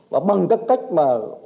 và bằng các cách mà